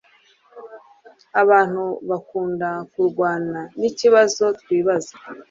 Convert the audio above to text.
Abantu bakunda kurwana ikibazo twibaza